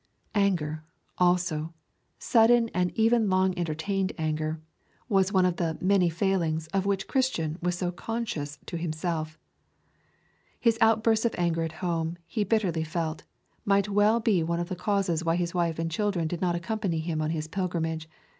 Anger, also, sudden and even long entertained anger, was one of the 'many failings' of which Christian was so conscious to himself. His outbursts of anger at home, he bitterly felt, might well be one of the causes why his wife and children did not accompany him on his pilgrimage.